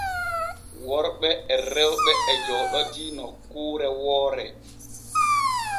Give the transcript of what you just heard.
Worɓe e rewɓe e jooɗodii nokkure woore.